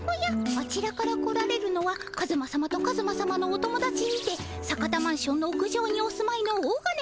あちらから来られるのはカズマさまとカズマさまのお友だちにて坂田マンションの屋上にお住まいの大金持ち